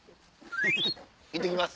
いってきます！